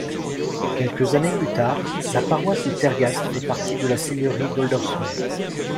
Quelques années plus tard, la paroisse de Tergast fait partie de la seigneurie d'Oldersum.